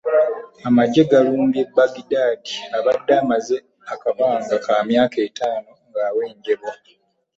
Amagye gaalumbye Baghdadi abadde amaze akabanga ka myaka etaano nga awenjezebwa